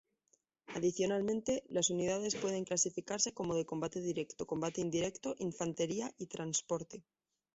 Adicionalmente, las unidades pueden clasificarse como de combate directo, combate indirecto, infantería y transporte.